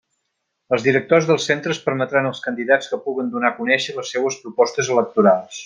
Els directors dels centres permetran als candidats que puguen donar a conéixer les seues propostes electorals.